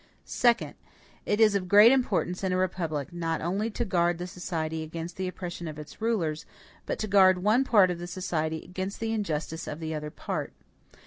Second. It is of great importance in a republic not only to guard the society against the oppression of its rulers, but to guard one part of the society against the injustice of the other part.